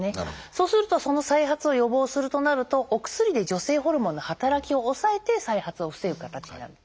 そうするとその再発を予防するとなるとお薬で女性ホルモンの働きを抑えて再発を防ぐ形になる。